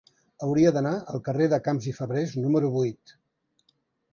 Hauria d'anar al carrer de Camps i Fabrés número vuit.